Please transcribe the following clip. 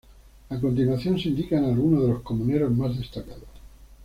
A continuación se indican algunos de los comuneros más destacados.